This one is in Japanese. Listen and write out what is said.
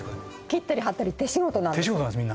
切ったり貼ったり手仕事なんです手仕事なんです